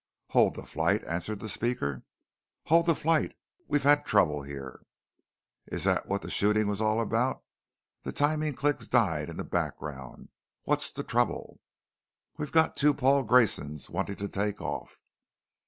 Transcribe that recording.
"Hold the flight?" answered the speaker. "Hold the flight. We've had trouble here." "Is that what the shooting was all about?" The timing clicks died in the background. "What's the trouble?" "We've got two Paul Graysons wanting to take off."